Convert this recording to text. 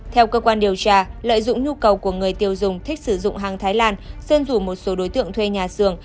theo cơ quan điều tra lợi dụng nhu cầu của người tiêu dùng thích sử dụng hàng thái lan sơn rủ một số đối tượng thuê nhà xưởng